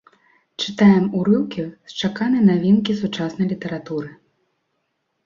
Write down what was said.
Чытаем урыўкі з чаканай навінкі сучаснай літаратуры.